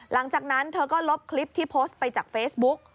หลังจากนั้นเธอก็ลบคลิปที่โพสต์ไปจากเฟซบุ๊ก